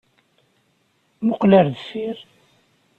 Muqqel ar deffir!